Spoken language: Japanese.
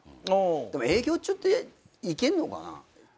でも営業中って行けんのかな？